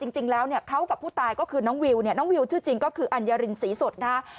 จริงแล้วเนี่ยเขากับผู้ตายก็คือน้องวิวเนี่ยน้องวิวชื่อจริงก็คืออัญญารินศรีสดนะฮะ